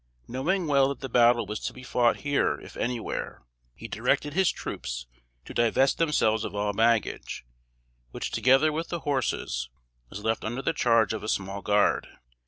Knowing well that the battle was to be fought here if anywhere, he directed his troops to divest themselves of all baggage, which together with the horses, was left under the charge of a small guard.